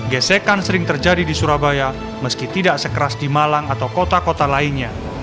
gesekan sering terjadi di surabaya meski tidak sekeras di malang atau kota kota lainnya